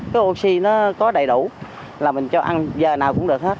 cái oxy nó có đầy đủ là mình cho ăn giờ nào cũng được hết